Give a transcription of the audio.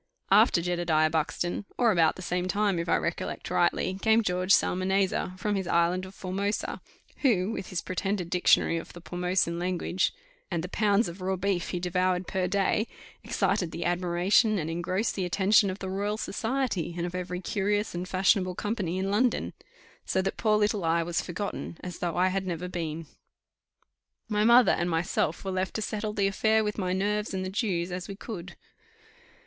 After Jedediah Buxton, or about the same time, if I recollect rightly, came George Psalmanazar, from his Island of Formosa, who, with his pretended Dictionary of the Pormosan language, and the pounds of raw beef he devoured per day, excited the admiration and engrossed the attention of the Royal Society and of every curious and fashionable company in London: so that poor little I was forgotten, as though I had never been. My mother and myself were left to settle the affair with my nerves and the Jews, as we could.